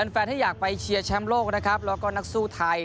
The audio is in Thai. แฟนที่อยากไปเชียร์แชมป์โลกแล้วก็นักสู้ไทย